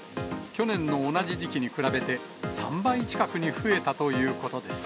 去年の同じ時期に比べて、３倍近くに増えたということです。